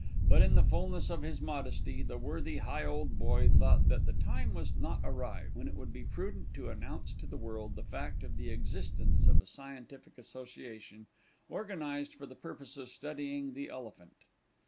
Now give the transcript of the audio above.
But in the fullness of his modesty the worthy Higholdboy thought that the time was not arrived when it would be prudent to announce to the world the fact of the existence of a scientific association, organized for the purpose of studying the Elephant.